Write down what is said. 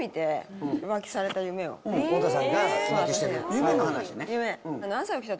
・夢の話ね？